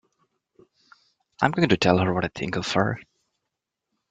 I'm going to tell her what I think of her!